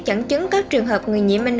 chẳng chứng các trường hợp người nhiễm